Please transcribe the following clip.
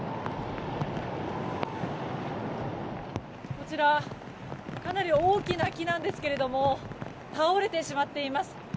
こちらかなり大きな木なんですけど倒れてしまっています。